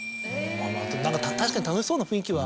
確かに楽しそうな雰囲気は。